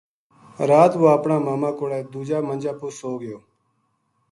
رات وہ اپنا ماما کولے دوجا منجا پو سو گیو